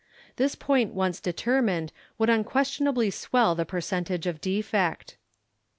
This point once determined would unquestionably swell the per centage of defect.